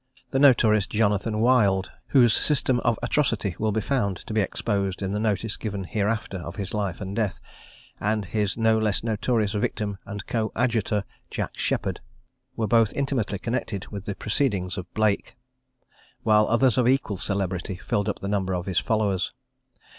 The notorious Jonathan Wild, whose system of atrocity will be found to be exposed in the notice given hereafter of his life and death, and his no less notorious victim and coadjutor, Jack Sheppard, were both intimately connected with the proceedings of Blake; while others of equal celebrity filled up the number of his followers.